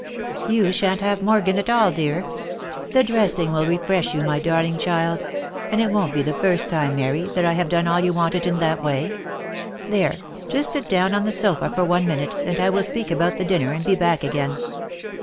" You shan't have Morgan at all dear. The dressing will refresh you my darling child ; and it won't be the first time Mary, that I have done all that you wanted in that way. There — just sit down on the sofa for one minute, and I will speak about the dinner, and be back again."